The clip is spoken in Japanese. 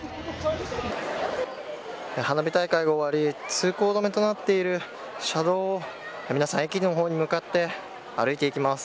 花火大会が終わり通行止めとなっている車道を皆さん駅の方に向かって歩いていきます。